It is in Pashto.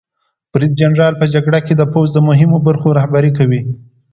برید جنرال په جګړه کې د پوځ د مهمو برخو رهبري کوي.